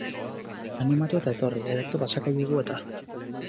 Animatu eta etorri, ederto pasatuko dugu eta!